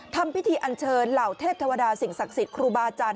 ทำพิธีอันเชิญเหล่าเทพเทวดาสิ่งศักดิ์สิทธิ์ครูบาจันท